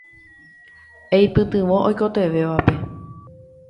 Eipytyvõ oikotevẽvape.